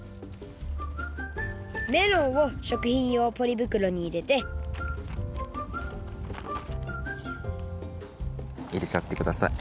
メロンをしょくひんようポリぶくろにいれていれちゃってください。